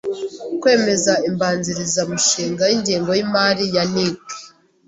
kwemeza imbanzirizamushinga y’ingengo y’imari ya NIC;